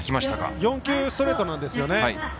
４球ストレートなんですよね。